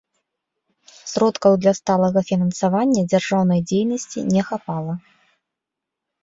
Сродкаў для сталага фінансавання дзяржаўнай дзейнасці не хапала.